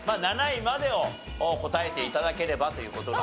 ７位までを答えて頂ければという事なんでね。